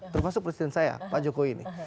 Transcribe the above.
termasuk presiden saya pak jokowi ini